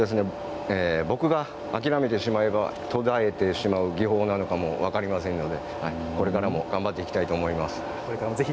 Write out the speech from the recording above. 僕が諦めてしまえばとだえてしまう技法なのかも分かりませんのでこれからも頑張っていきます。